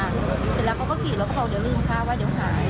เสร็จแล้วเขาก็ขี่แล้วก็บอกเดี๋ยวลืมค่ะว่าเดี๋ยวหาย